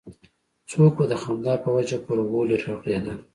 څوک به د خندا په وجه پر غولي رغړېده.